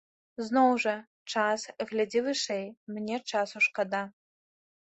Зноў жа, час, глядзі вышэй, мне часу шкада.